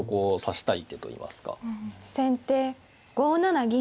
先手５七銀。